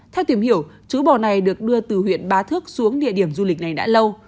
theo tìm hiểu chú bò này được đưa từ huyện bá thước xuống địa điểm du lịch này đã lâu